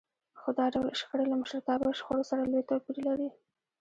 خو دا ډول شخړې له مشرتابه شخړو سره لوی توپير لري.